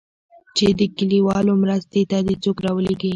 چې د کليوالو مرستې ته دې څوک راولېږي.